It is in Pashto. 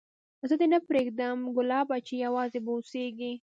زه دي نه پرېږدم ګلابه چي یوازي به اوسېږې